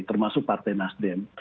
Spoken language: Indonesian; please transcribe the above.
termasuk partai nasden